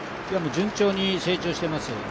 順調に成長してます。